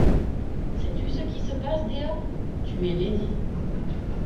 Sais-tu ce qui se passe, Dea? tu es lady.